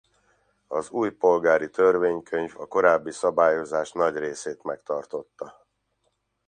Az új Polgári Törvénykönyv a korábbi szabályozás nagy részét megtartotta.